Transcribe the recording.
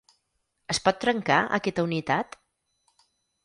Es pot trencar aquesta unitat?